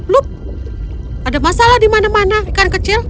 lup ada masalah di mana mana ikan kecil